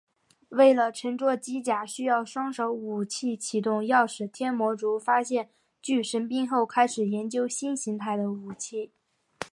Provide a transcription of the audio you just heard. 为了乘坐机甲需要双手武器启动钥匙天魔族发现巨神兵后开始研究新形态的武器。